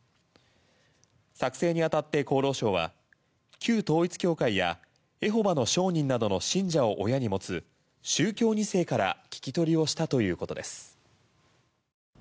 作成に当たって厚労省は旧統一教会やエホバの証人などの信者を親に持つ宗教２世から聞き取りをしたということです。